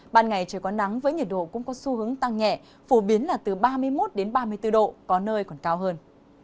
ban ngày trời có nắng với nhiệt độ cũng có xu hướng tăng nhẹ phổ biến là từ ba mươi một đến ba mươi bốn độ có nơi còn cao hơn